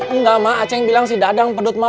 enggak mak aceng bilang si dadang pedut mak